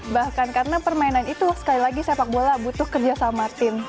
bahkan karena permainan itu sekali lagi sepak bola butuh kerja sama tim